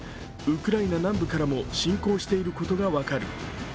ウクライナ南部からも侵攻していることが分かる。